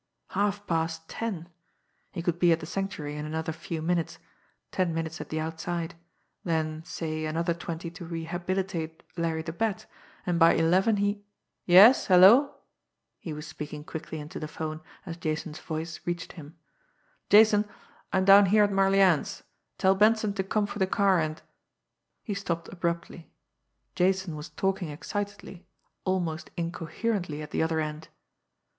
Halfpast ten! He could be at the Sanctuary in another few minutes, ten minutes at the outside; then, say, another twenty to rehabilitate Larry the Bat, and by eleven he "Yes hello!" he was speaking quickly into the 'phone, as Jason's voice reached him. "Jason, I am down here at Marlianne's. Tell Benson to come for the car, and " He stopped abruptly. Jason was talking excitedly, almost incoherently at the other end.